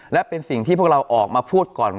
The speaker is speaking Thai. และเป็นสิ่งที่พวกเราออกมาพูดก่อน